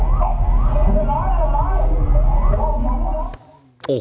แถลงจัดการครูดอฟเวฮฟ์